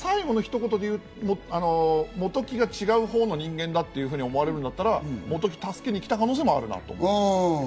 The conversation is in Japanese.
それもあるけど最後のひと言で本木が違うほうの人間だっていうふうに思えるんだったら本木が助けに来た可能性もあるなって。